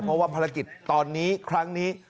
เพราะว่าภารกิจตอนนี้ครั้งนี้